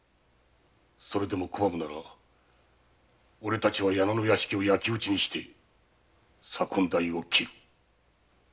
それでも拒むならおれたちは矢野の屋敷を焼き打ちにして左近大夫を斬る